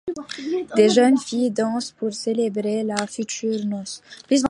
Des jeunes filles dansent pour célébrer la future noce.